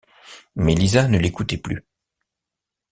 Mais Lisa ne l’écoutait plus.